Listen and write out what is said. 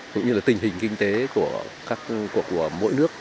cũng như là tình hình kinh tế của mỗi nước